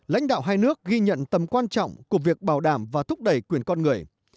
lãnh đạo hai nước ghi nhận tầm quan trọng của việc bảo đảm và thúc đẩy quyền con người